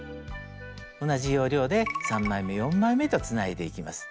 同じ要領で３枚め４枚めとつないでいきます。